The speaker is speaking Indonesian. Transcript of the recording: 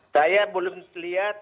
saya belum lihat